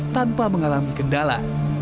tanpa mengalami kendala